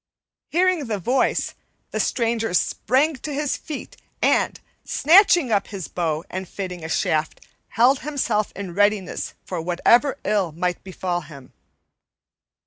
Hearing the voice, the stranger sprang to his feet and; snatching up his bow and fitting a shaft, held himself in readiness for whatever ill might befall him.